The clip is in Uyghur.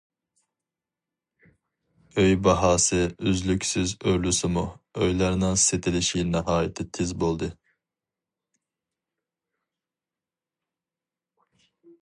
ئۆي باھاسى ئۈزلۈكسىز ئۆرلىسىمۇ، ئۆيلەرنىڭ سېتىلىشى ناھايىتى تېز بولدى.